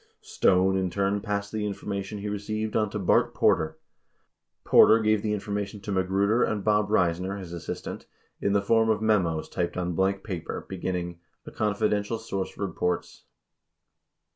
75 Stone in turn passed the information he received on to Bart Porter. 76 Porter gave the information to Magruder and Bob Reisner, his assist ant, in the form of memos typed on blank paper beginning "a confi dential source reports."